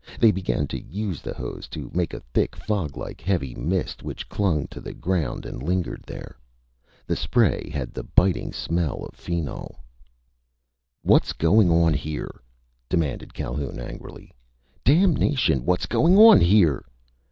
They began to use the hose to make a thick, foglike, heavy mist which clung to the ground and lingered there. The spray had the biting smell of phenol. "What's going on here?" demanded Calhoun angrily. "Damnation! What's going on here?"